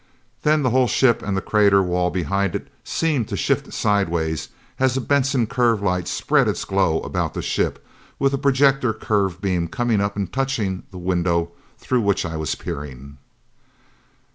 Then the whole ship and the crater wall behind it seemed to shift sidewise as a Benson curve light spread its glow about the ship, with a projector curve beam coming up and touching the window through which I was peering.